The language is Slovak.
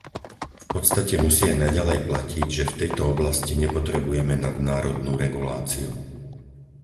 V podstate musí aj naďalej platiť, že v tejto oblasti nepotrebujeme nadnárodnú reguláciu.